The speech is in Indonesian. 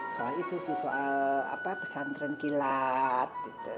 soal itu sih soal pesan terengkilat